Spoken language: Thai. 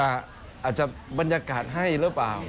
อาจจะบรรยากาศให้หรือเปล่า